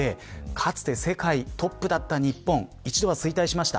かつて、世界トップだった日本一度は衰退しました。